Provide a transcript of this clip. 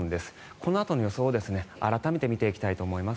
このあとの予想を改めて見ていきたいと思います。